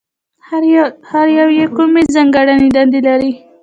هر یو یې کومې ځانګړې دندې لري؟